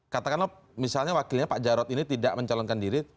katakanlah misalnya wakilnya pak jarod ini tidak mencalonkan diri